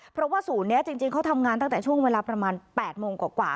เพราะว่าศูนย์นี้จริงเขาทำงานตั้งแต่ช่วงเวลาประมาณ๘โมงกว่า